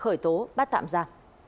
khởi tố bắt tạm ra